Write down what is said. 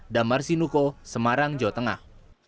damar sinuko semarang jawa tengah